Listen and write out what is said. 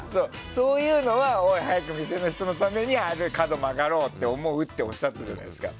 そういうのは早く店の人のために角を曲がろうって思っておっしゃってたじゃないですか。